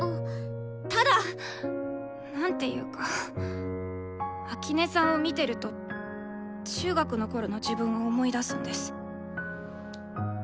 ただなんていうか秋音さんを見てると中学のころの自分を思い出すんです。